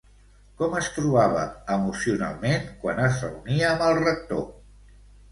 Com es trobava emocionalment quan es reunia amb el rector?